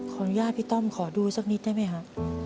ขออนุญาตพี่ต้องขอดูสักนิดได้ไหมฮะ